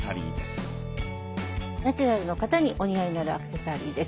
ナチュラルの方にお似合いになるアクセサリーです。